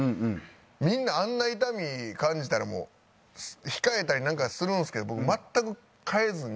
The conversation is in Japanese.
みんなあんな痛み感じたらもう控えたりなんかするんですけど僕全く変えずに。